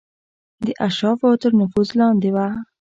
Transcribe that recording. د اشرافو تر نفوذ لاندې وه.